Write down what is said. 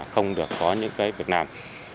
không được có những việt nam